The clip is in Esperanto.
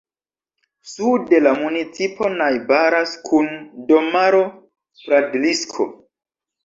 Sude la municipo najbaras kun domaro Pradlisko.